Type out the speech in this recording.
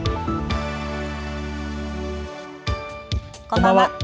こんばんは。